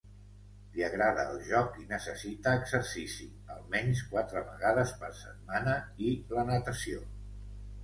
Li agrada el joc i necessita exercici, almenys quatre vegades per setmana, i la natació.